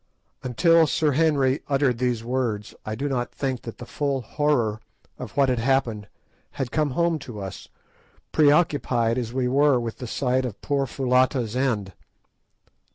_" Until Sir Henry uttered these words I do not think that the full horror of what had happened had come home to us, preoccupied as we were with the sight of poor Foulata's end.